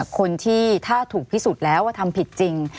คนที่ถ้าถูกพิสูจน์แล้วว่าทำผิดจริง